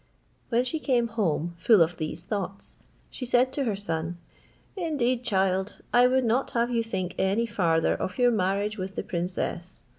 When she came home, full of these thoughts, she said to her son, "Indeed, child, I would not have you think any farther of your marriage with the princess.